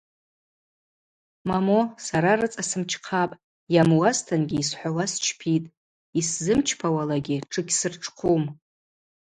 Момо, сара рыцӏа сымчхъапӏ – йамуазтынгьи йсхӏвауа счпитӏ, йсзымчпауалагьи тшыгьсыртшхъвум.